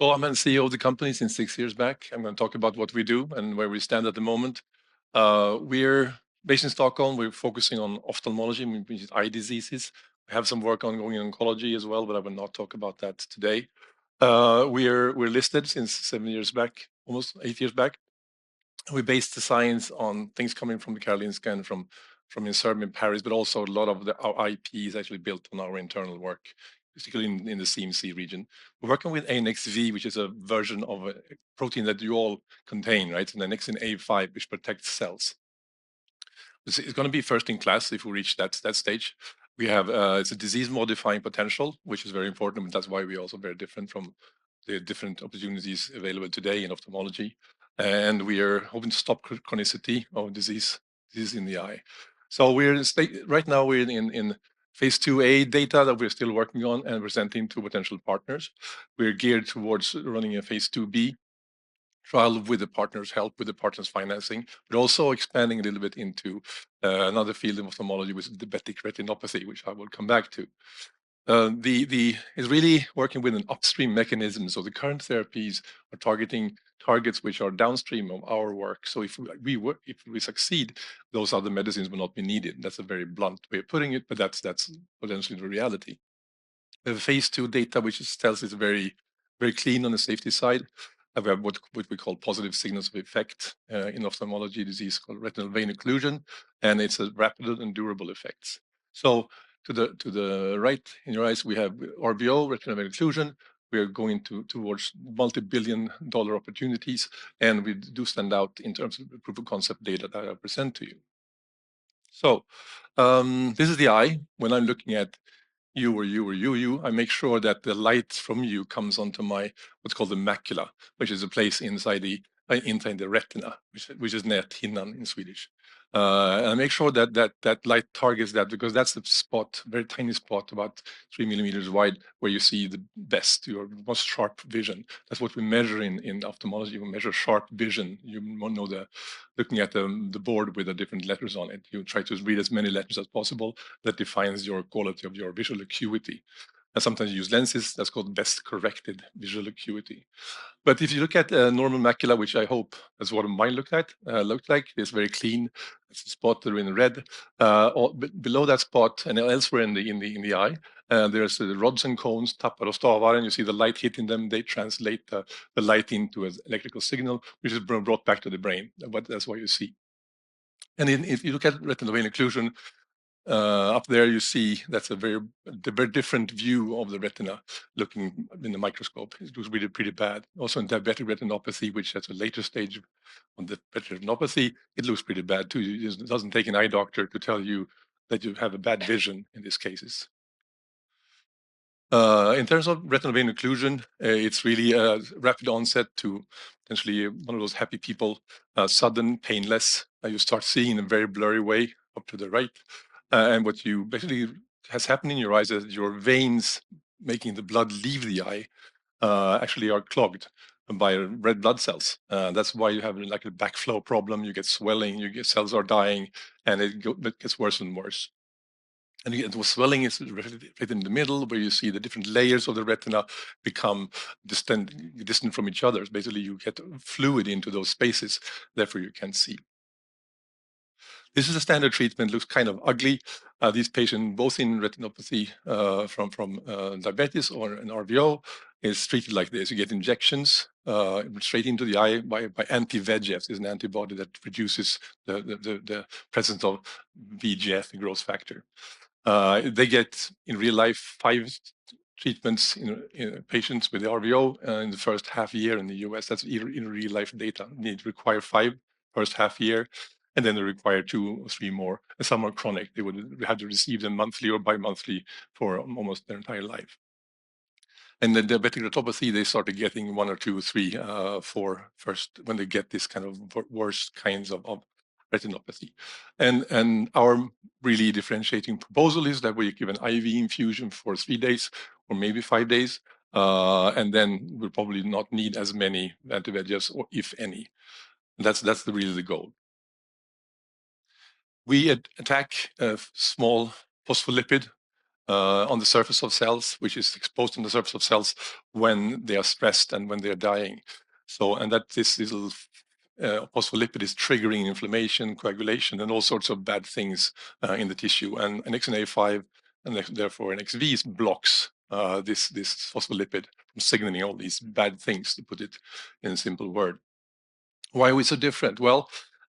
I'm the CEO of the company. Since six years back, I'm going to talk about what we do and where we stand at the moment. We're based in Stockholm. We're focusing on ophthalmology, which is eye diseases. We have some work ongoing in oncology as well, but I will not talk about that today. We're listed since seven years back, almost eight years back. We base the science on things coming from the Karolinska and from Inserm in Paris, but also a lot of our IP is actually built on our internal work, particularly in the CMC region. We're working with Annex V, which is a version of a protein that you all contain, right? An Annexin A5, which protects cells. It's going to be first in class if we reach that stage. We have a disease-modifying potential, which is very important, but that's why we're also very different from the different opportunities available today in ophthalmology. We are hoping to stop chronicity of disease in the eye. Right now, we're in phase 2A data that we're still working on and presenting to potential partners. We're geared towards running a phase 2B trial with the partners, help with the partners' financing, but also expanding a little bit into another field of ophthalmology with diabetic retinopathy, which I will come back to. It's really working with an upstream mechanism. The current therapies are targeting targets which are downstream of our work. If we succeed, those other medicines will not be needed. That's a very blunt way of putting it, but that's potentially the reality. The phase ll data, which tells us very clean on the safety side, we have what we call positive signals of effect in ophthalmology disease called retinal vein occlusion, and it's a rapid and durable effect. To the right in your eyes, we have RVO, retinal vein occlusion. We are going towards multi-billion dollar opportunities, and we do stand out in terms of the proof of concept data that I present to you. This is the eye. When I'm looking at you, or you, or you, you, I make sure that the light from you comes onto my what's called the macula, which is a place inside the retina, which is net hinnan in Swedish. I make sure that that light targets that because that's the spot, very tiny spot about three millimeters wide where you see the best, your most sharp vision. That's what we measure in ophthalmology. We measure sharp vision. You know, looking at the board with the different letters on it, you try to read as many letters as possible. That defines your quality of your visual acuity. Sometimes you use lenses. That's called best corrected visual acuity. If you look at a normal macula, which I hope is what it might look like, it's very clean. It's a spot there in red. Below that spot and elsewhere in the eye, there's the rods and cones, tapper or stavar. You see the light hitting them. They translate the light into an electrical signal, which is brought back to the brain. That's what you see. If you look at retinal vein occlusion up there, you see that's a very different view of the retina looking in the microscope. It looks pretty bad. Also in diabetic retinopathy, which has a later stage of retinopathy, it looks pretty bad too. It doesn't take an eye doctor to tell you that you have a bad vision in these cases. In terms of retinal vein occlusion, it's really a rapid onset to potentially one of those happy people, sudden, painless. You start seeing in a very blurry way up to the right. What basically has happened in your eyes is your veins making the blood leave the eye actually are clogged by red blood cells. That's why you have like a backflow problem. You get swelling, your cells are dying, and it gets worse and worse. The swelling is right in the middle where you see the different layers of the retina become distant from each other. Basically, you get fluid into those spaces. Therefore, you can't see. This is a standard treatment. It looks kind of ugly. These patients, both in retinopathy from diabetes or an RVO, are treated like this. You get injections straight into the eye by anti-VEGF. There's an antibody that reduces the presence of VEGF, the growth factor. They get in real life five treatments in patients with the RVO in the first half year in the US. That's in real life data. They require five first half year, and then they require two or three more. Some are chronic. They would have to receive them monthly or bi-monthly for almost their entire life. In diabetic retinopathy, they started getting one or two, three, four first when they get this kind of worst kinds of retinopathy. Our really differentiating proposal is that we give an IV infusion for three days or maybe five days, and then we probably do not need as many anti-VEGFs, if any. That's really the goal. We attack a small phospholipid on the surface of cells, which is exposed on the surface of cells when they are stressed and when they are dying. This little phospholipid is triggering inflammation, coagulation, and all sorts of bad things in the tissue. Annexin A5, and therefore Annex V, blocks this phospholipid from signaling all these bad things, to put it in a simple word. Why are we so different?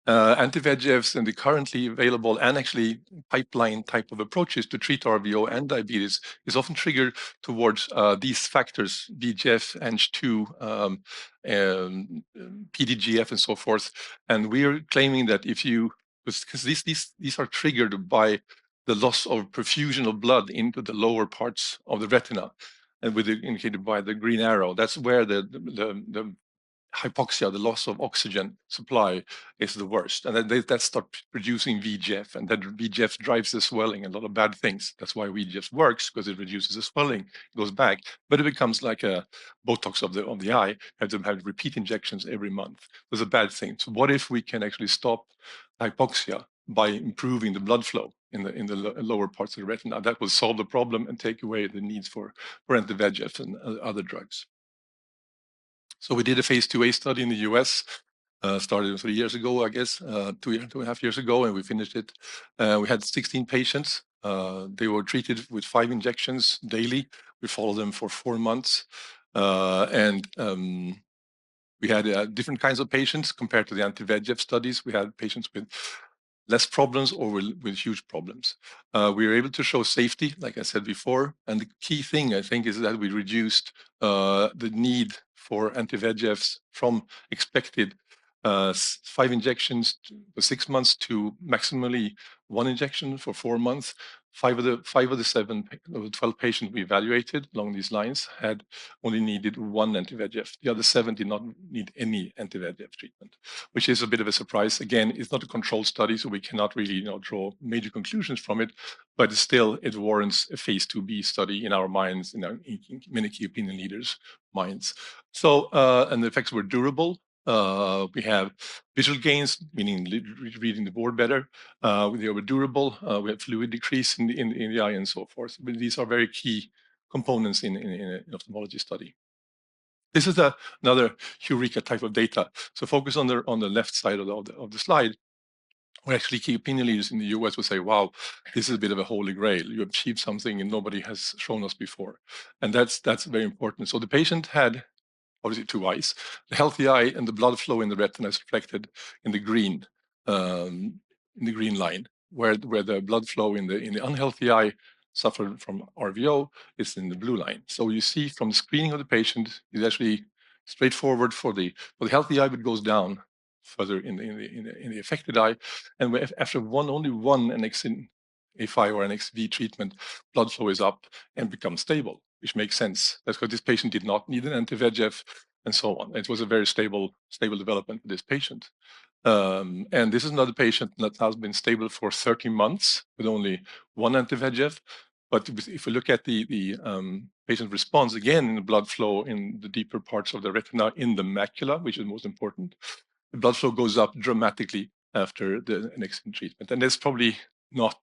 Anti-VEGFs and the currently available and actually pipeline type of approaches to treat RVO and diabetes is often triggered towards these factors, VEGF, NH2, PDGF, and so forth. We are claiming that if you because these are triggered by the loss of perfusion of blood into the lower parts of the retina and indicated by the green arrow. That's where the hypoxia, the loss of oxygen supply, is the worst. That starts producing VEGF, and that VEGF drives the swelling and a lot of bad things. That's why anti-VEGF works, because it reduces the swelling, goes back, but it becomes like a Botox of the eye. You have to have repeat injections every month. Those are bad things. What if we can actually stop hypoxia by improving the blood flow in the lower parts of the retina? That will solve the problem and take away the needs for anti-VEGF and other drugs. We did a phase 2A study in the United States, started three years ago, I guess, two and a half years ago, and we finished it. We had 16 patients. They were treated with five injections daily. We followed them for four months. We had different kinds of patients compared to the anti-VEGF studies. We had patients with less problems or with huge problems. We were able to show safety, like I said before. The key thing, I think, is that we reduced the need for anti-VEGFs from expected five injections for six months to maximally one injection for four months. Five of the seven or 12 patients we evaluated along these lines had only needed one anti-VEGF. The other seven did not need any anti-VEGF treatment, which is a bit of a surprise. Again, it is not a controlled study, so we cannot really draw major conclusions from it, but still, it warrants a phase 2B study in our minds, in many opinion leaders' minds. The effects were durable. We have visual gains, meaning reading the board better. They were durable. We have fluid decrease in the eye and so forth. These are very key components in ophthalmology study. This is another Eureka type of data. Focus on the left side of the slide. We actually, key opinion leaders in the U.S. will say, wow, this is a bit of a holy grail. You achieved something and nobody has shown us before. That is very important. The patient had obviously two eyes, the healthy eye and the blood flow in the retina is reflected in the green line, where the blood flow in the unhealthy eye suffered from RVO is in the blue line. You see from the screening of the patient, it is actually straightforward for the healthy eye, but goes down further in the affected eye. After only one Annexin A5 or Annex V treatment, blood flow is up and becomes stable, which makes sense. That is because this patient did not need an anti-VEGF and so on. It was a very stable development for this patient. This is another patient that has been stable for 30 months with only one anti-VEGF. If we look at the patient response again in the blood flow in the deeper parts of the retina in the macula, which is most important, the blood flow goes up dramatically after the Annexin treatment. It is probably not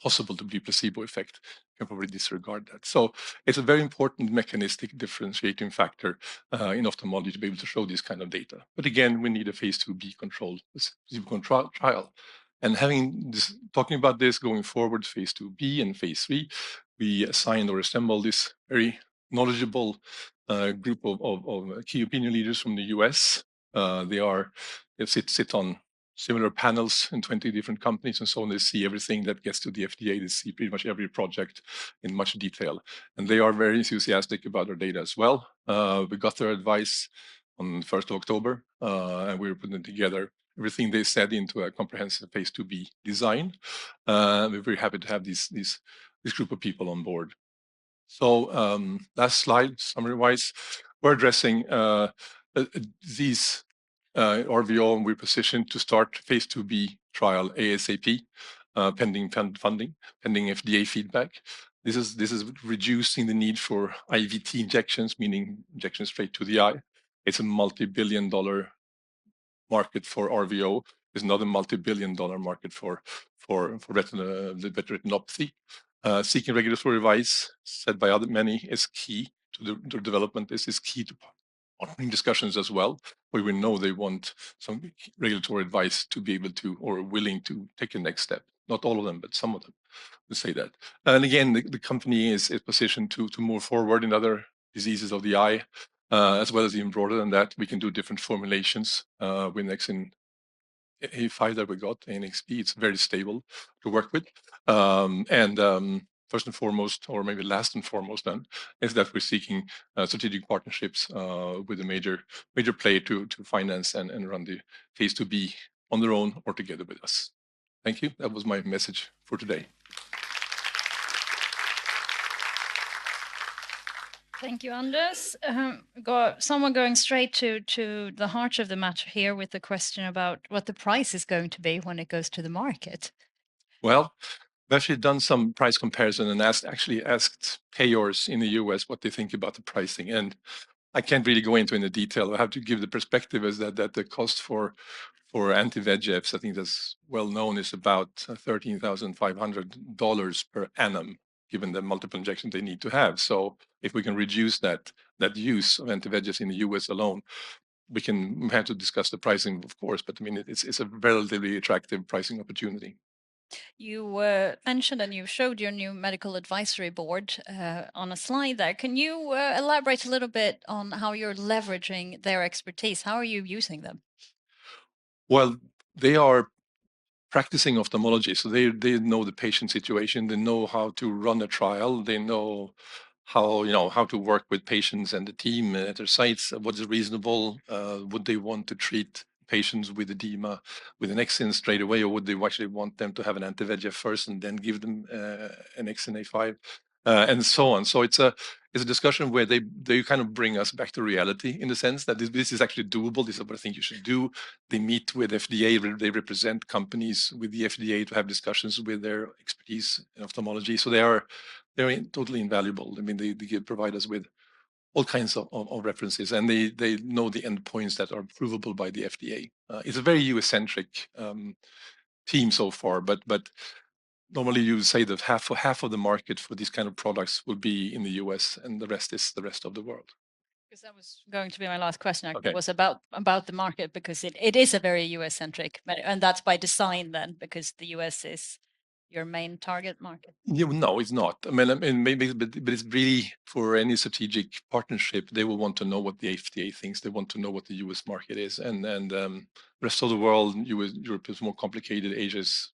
possible to be a placebo effect. You can probably disregard that. It is a very important mechanistic differentiating factor in ophthalmology to be able to show this kind of data. Again, we need a phase 2B controlled placebo trial. Talking about this going forward, phase 2B and phase 3, we assign or assemble this very knowledgeable group of key opinion leaders from the US. They sit on similar panels in 20 different companies and so on. They see everything that gets to the FDA. They see pretty much every project in much detail. They are very enthusiastic about our data as well. We got their advice on the 1st of October, and we were putting together everything they said into a comprehensive phase 2B design. We're very happy to have this group of people on board. Last slide, summary wise, we're addressing these RVO and we're positioned to start phase 2B trial ASAP, pending funding, pending FDA feedback. This is reducing the need for IVT injections, meaning injections straight to the eye. It's a multi-billion dollar market for RVO. It's not a multi-billion dollar market for retinopathy. Seeking regulatory advice said by many is key to the development. This is key to discussions as well. We know they want some regulatory advice to be able to or willing to take a next step. Not all of them, but some of them will say that. The company is positioned to move forward in other diseases of the eye, as well as the embroidered, and that we can do different formulations. With Annexin A5 that we got, Annex V, it's very stable to work with. First and foremost, or maybe last and foremost then, is that we're seeking strategic partnerships with a major player to finance and run the phase 2B on their own or together with us. Thank you. That was my message for today. Thank you, Anders. Someone going straight to the heart of the matter here with the question about what the price is going to be when it goes to the market. We have actually done some price comparison and actually asked payers in the US what they think about the pricing.I can't really go into the detail. I have to give the perspective is that the cost for anti-VEGFs, I think that's well known, is about $13,500 per annum given the multiple injections they need to have. If we can reduce that use of anti-VEGFs in the U.S. alone, we have to discuss the pricing, of course, but I mean, it's a relatively attractive pricing opportunity. You mentioned and you showed your new medical advisory board on a slide there. Can you elaborate a little bit on how you're leveraging their expertise? How are you using them? They are practicing ophthalmology, so they know the patient situation. They know how to run a trial. They know how to work with patients and the team at their sites. What is reasonable? Would they want to treat patients with edema with an Annexin straight away, or would they actually want them to have an anti-VEGF first and then give them Annexin A5 and so on? It is a discussion where they kind of bring us back to reality in the sense that this is actually doable. This is what I think you should do. They meet with FDA. They represent companies with the FDA to have discussions with their expertise in ophthalmology. They are totally invaluable. I mean, they provide us with all kinds of references, and they know the endpoints that are provable by the FDA. It is a very US-centric team so far, but normally you would say that half of the market for these kinds of products will be in the US, and the rest is the rest of the world. Because that was going to be my last question. It was about the market because it is very US-centric, and that's by design then because the US is your main target market. No, it's not. I mean, but it's really for any strategic partnership, they will want to know what the FDA thinks. They want to know what the US market is. The rest of the world, Europe is more complicated. Asia is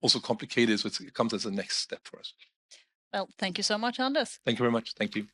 also complicated, so it comes as a next step for us. Thank you so much, Anders. Thank you very much. Thank you.